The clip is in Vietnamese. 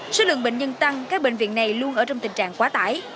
số lượng bệnh nhân tăng các bệnh viện này luôn ở trong tình trạng quá tải